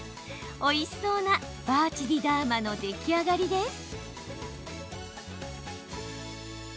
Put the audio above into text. おいしそうなバーチ・ディ・ダーマの出来上がりです。